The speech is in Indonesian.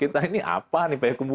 nah ini apa nih pak hekumbu